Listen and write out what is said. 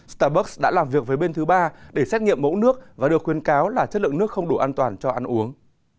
starbus đã làm việc với bên thứ ba để xét nghiệm mẫu nước và được khuyên cáo là chất lượng nước không đủ an toàn cho ăn uống